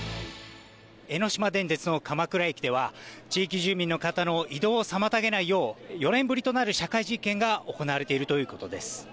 江ノ島電鉄の鎌倉駅では、地域住民の方の移動を妨げないよう、４年ぶりとなる社会実験が行われているということです。